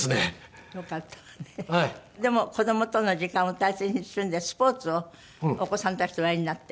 でも子どもとの時間を大切にするんでスポーツをお子さんたちとおやりになって。